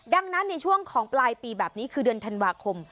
ดังนั้นในช่วงของปลายปีแบบนี้คือเดือนธันวาคม